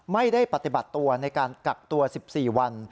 ไม่ได้ปฏิบัติตัวในการกักตัว๑๔วัน